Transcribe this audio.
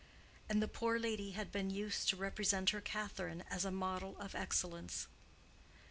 And the poor lady had been used to represent her Catherine as a model of excellence.